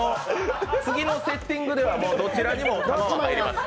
次のセッティングではどちらにも入ります。